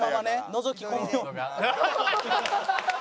のぞき込むように。